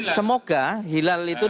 semoga hilal itu dikatakan